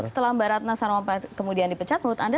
setelah mbak ratna sarumpait kemudian dipecat menurut anda